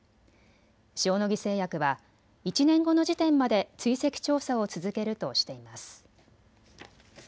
塩野義製薬は１年後の時点まで追跡調査を続けるとしています。